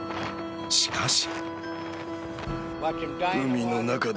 しかし。